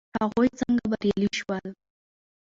هغوی څنګه بریالي شول.